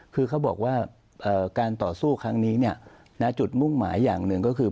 คือเขาบอกว่าการต่อสู้ครั้งนี้จุดมุ่งหมายอย่างหนึ่งก็คือ